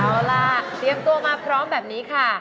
เอาล่ะเตรียมตัวมาพร้อมแบบนี้ค่ะ